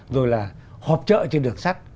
rồi là họp trợ trên đường sắt